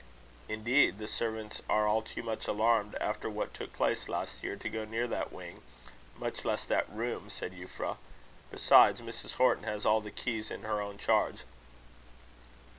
"Indeed, the servants are all too much alarmed, after what took place last year, to go near that wing much less that room," said Euphra. "Besides, Mrs. Horton has all the keys in her own charge."